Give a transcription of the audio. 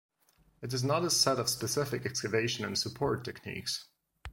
It is not a set of specific excavation and support techniques.